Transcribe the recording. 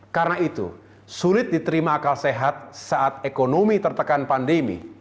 karena itu sulit diterima akal sehat saat ekonomi tertekan pandemi